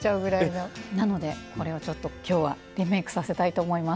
なのでこれをちょっと今日はリメイクさせたいと思います。